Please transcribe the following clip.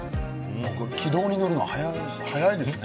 軌道に乗るのが早いですね。